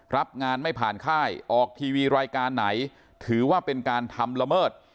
รับงานไม่ผ่านค่ายออกทีวีรายการไหนถือว่าเป็นการทำละเมิด